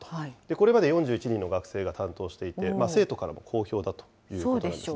これまで４１人の学生が担当していて、生徒からも好評だということなんですね。